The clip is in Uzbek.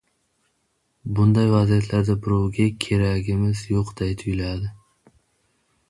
Bunday vaziyatlarda birovga keragimiz yoʻqday tuyuladi.